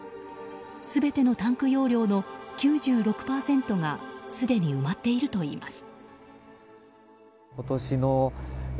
全てのタンク容量の９６％がすでに埋まっているといいます。